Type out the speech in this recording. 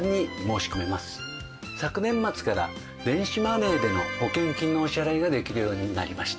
昨年末から電子マネーでの保険金のお支払いができるようになりました。